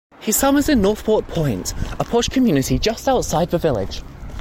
He summers in Northport Point, a posh community just outside the village.